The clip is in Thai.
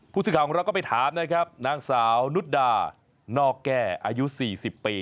ผู้สื่อข่าวของเราก็ไปถามนะครับนางสาวนุดดานอกแก้อายุ๔๐ปี